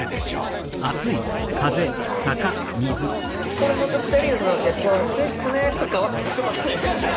これ２人が「今日暑いっすね」とかは含まれないですよね？